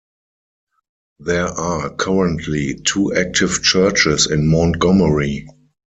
There are currently two active churches in Montgomery.